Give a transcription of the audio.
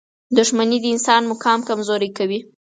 • دښمني د انسان مقام کمزوری کوي.